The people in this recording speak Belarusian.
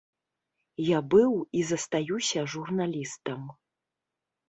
Я быў і застаюся журналістам.